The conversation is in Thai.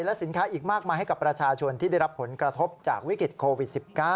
และสินค้าอีกมากมายให้กับประชาชนที่ได้รับผลกระทบจากวิกฤตโควิด๑๙